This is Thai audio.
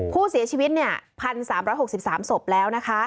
ผู้เสียชีวิตพันสามร้อยหกสิบสามสบแล้ว